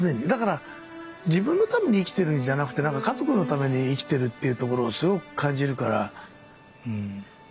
だから自分のために生きてるんじゃなくてなんか家族のために生きてるっていうところをすごく感じるからうん。